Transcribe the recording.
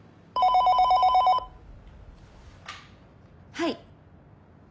はい。